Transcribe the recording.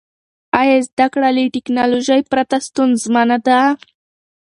آیا زده کړه له ټیکنالوژۍ پرته ستونزمنه ده؟